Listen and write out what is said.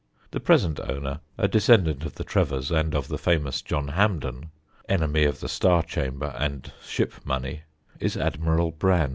The present owner, a descendant of the Trevors and of the famous John Hampden, enemy of the Star Chamber and ship money, is Admiral Brand.